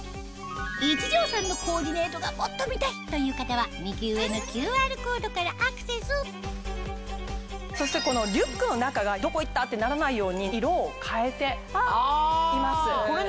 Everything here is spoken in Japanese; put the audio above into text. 壱城さんのコーディネートがもっと見たいという方はそしてリュックの中がどこ行った？ってならないように色を変えています。